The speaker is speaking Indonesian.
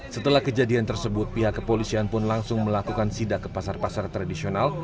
setelah kejadian tersebut pihak kepolisian pun langsung melakukan sida ke pasar pasar tradisional